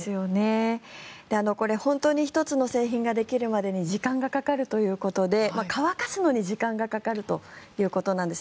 これ、本当に１つの製品ができるまでに時間がかかるということで乾かすのに時間がかかるということなんです。